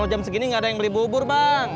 oh jam segini nggak ada yang beli bubur bang